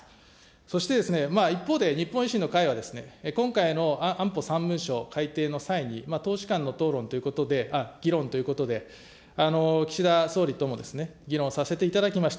そしてですね、一方で、日本維新の会は、今回の安保３文書改定の際に党首間の討論ということで、議論ということで、岸田総理とも議論させていただきました。